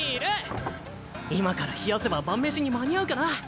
今から冷やせば晩飯に間に合うかな？